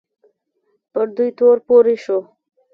پر دوی تور پورې شو